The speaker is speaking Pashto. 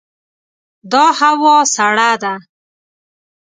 دا هوا سړه ده.